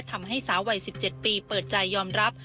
ทำให้สาววัย๑๗ปีเปิดใจยอมรับ